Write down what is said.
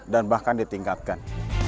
dan bahkan ditingkatkan